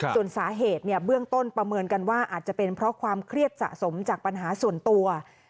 ส่วนสาเหตุเบื้องต้นประเมินกันว่าอาจจะเป็นเพราะความเครียดสะสมจากปัญหาส่วนตัว